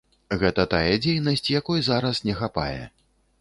Гэта тая дзейнасць, якой зараз не хапае.